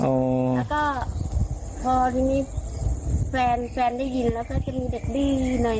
แล้วก็พอทีนี้แฟนแฟนได้ยินแล้วก็จะมีเด็กดื้อหน่อย